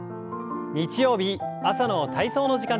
日曜日朝の体操の時間です。